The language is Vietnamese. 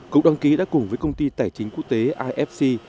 cục đăng ký đã cùng với công ty tài chính quốc tế ifc